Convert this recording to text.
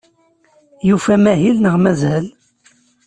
Yufa amahil neɣ mazal?